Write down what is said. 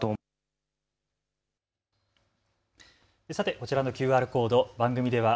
こちらのＱＲコード、番組では＃